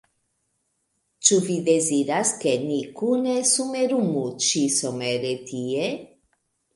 Ĉu vi deziras, ke ni kune somerumu ĉi-somere tie?